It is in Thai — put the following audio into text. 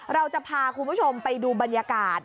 เราจะพาคุณผู้ชมไปดูบรรยากาศ